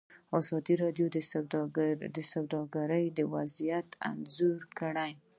ازادي راډیو د سوداګري وضعیت انځور کړی.